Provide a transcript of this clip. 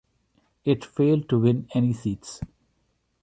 It failed to win any seats.